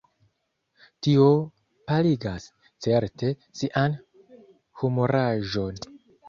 Tio paligas, certe, sian humuraĵon.